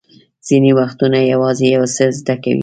ځینې وختونه یوازې یو څه زده کوئ.